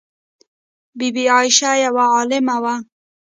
بی بي عایشه یوه عالمه وه.